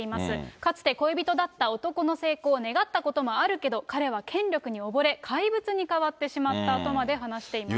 かつて恋人だった男の成功を願ったこともあるけど、彼は権力に溺れ、怪物に変わってしまったとまで話しています。